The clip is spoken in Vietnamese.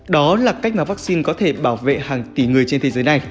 đó là cách mà vaccine có thể bảo vệ hàng tỷ người trên thế giới này